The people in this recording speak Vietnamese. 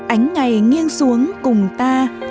ánh ngày nghiêng xuống cùng ta